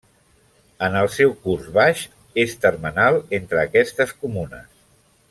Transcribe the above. En el seu curs baix és termenal entre aquestes comunes.